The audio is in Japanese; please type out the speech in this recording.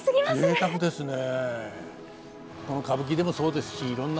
ぜいたくですね。